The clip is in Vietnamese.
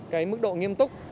cái mức độ nghiêm túc